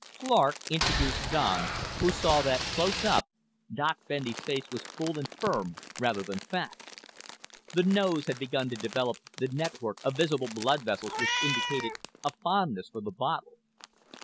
Clark introduced Don, who saw that close up Doc Bendy's face was full and firm rather than fat. The nose had begun to develop the network of visible blood vessels which indicated a fondness for the bottle.